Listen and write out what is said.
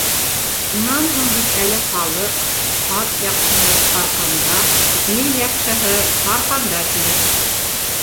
Унан һуң бит әле халыҡ, ат яҡшыһы - арҡанда, ир яҡшыһы - тарханда, ти.